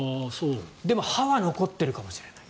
でも、歯は残っているかもしれない。